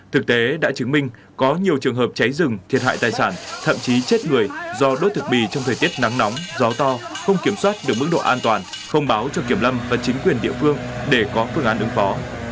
thực tế đã chứng minh có nhiều trường hợp cháy rừng thiệt hại tài sản thậm chí chết người do đốt thực bì trong thời tiết nắng nóng gió to không kiểm soát được mức độ an toàn không báo cho kiểm lâm và chính quyền địa phương để có phương án ứng phó